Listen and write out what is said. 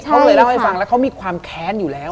เขาเลยเล่าให้ฟังแล้วเขามีความแค้นอยู่แล้ว